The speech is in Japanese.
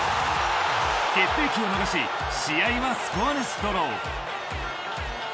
決定機を逃し試合はスコアレスドロー。